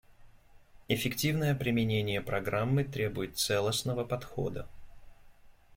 Эффективное применение Программы требует целостного подхода.